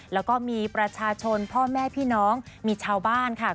แล้วก็มีประชาชนพ่อแม่พี่น้องมีชาวบ้านค่ะ